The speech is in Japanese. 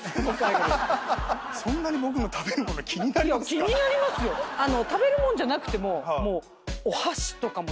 そんなに僕の食べる物気になりますか⁉食べるもんじゃなくても。